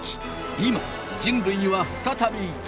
今人類は再び月へ。